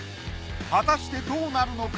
果たしてどうなるのか？